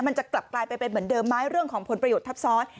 มันจะกลับกลายไปเป็นเหมือนเดิมไหมเรื่องของผลประโยชน์ทับซ้อน